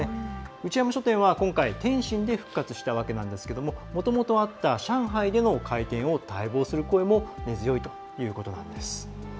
内山書店は今回天津で復活したわけなんですけどもともとあった上海での開店を待望する声も根強いということなんです。